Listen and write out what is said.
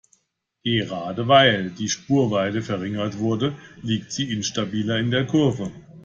Gerade weil die Spurweite verringert wurde, liegt sie instabiler in der Kurve.